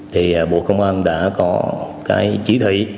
thì bộ công an đã có cái chỉ thị